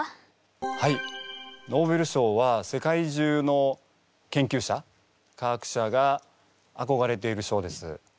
はいノーベル賞は世界中の研究者科学者があこがれている賞です。